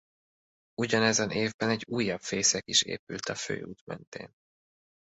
Ugyanezen évben egy újabb fészek is épült a főút mentén.